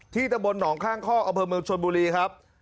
ที่ตะบนหนองข้างคอกอบพมชนบุรีครับ